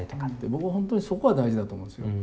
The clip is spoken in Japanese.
僕は本当にそこが大事だと思うんですよ。